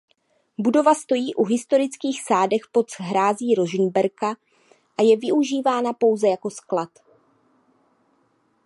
Budova stojí u historických sádek pod hrází Rožmberka a je využívána pouze jako sklad.